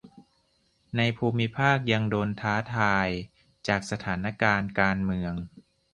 ในภูมิภาคยังโดนท้าทายจากสถานการณ์การเมือง